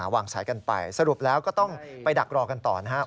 วางสายกันไปสรุปแล้วก็ต้องไปดักรอกันต่อนะครับ